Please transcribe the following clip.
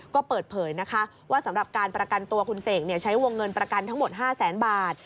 ก็เปิดเผยนะคะว่าสำหรับการประกันตัวคุณเสกใช้วงเงินประกันทั้งหมด๕แสนบาท